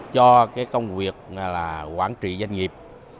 cho cái công việc là quản trị doanh nghiệp